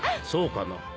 そうかな。